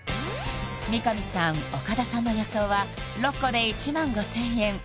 三上さん岡田さんの予想は６個で１万５０００円